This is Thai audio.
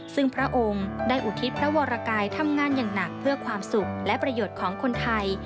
ซึ่งพระองค์ได้อุทิศพระวรกายทำงานอย่างหนักเพื่อความสุขและประโยชน์ของคนไทย